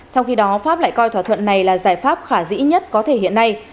trong khi đó pháp lại coi thỏa thuận này là giải pháp khả dĩ nhất có thể hiện nay